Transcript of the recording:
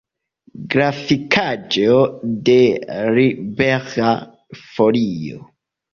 Grafikaĵo de Libera Folio.